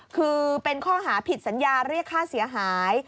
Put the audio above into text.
คือเป็นข้อหาผิดสัญญาเรียกค่าเสียหาย